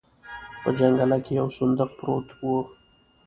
په جنګله کې يو صندوق پروت و.